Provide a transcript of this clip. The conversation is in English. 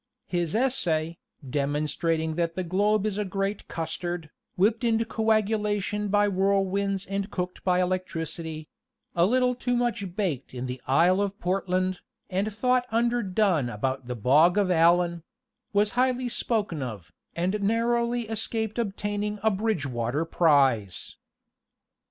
His essay, demonstrating that the globe is a great custard, whipped into coagulation by whirlwinds and cooked by electricity a little too much baked in the Isle of Portland, and a thought underdone about the Bog of Allen was highly spoken of, and narrowly escaped obtaining a Bridgewater prize.